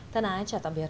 thân ái chào tạm biệt